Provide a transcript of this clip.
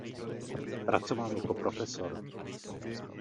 Pracoval jako profesor.